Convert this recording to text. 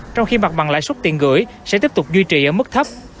trong khi mặt bằng lãi suất tiền gửi sẽ tiếp tục duy trì ở mức thấp